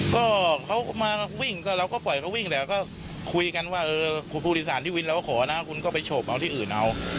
ก็เขามาวิ่งก็เราก็ปล่อยเขาวิ่งแหละก็คุยกันว่าเออผู้โดยสารที่วินเราก็ขอนะคุณก็ไปโฉบเอาที่อื่นเอา